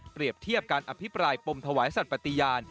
เทียบการอภิปรายปมถวายสัตว์ปฏิญาณ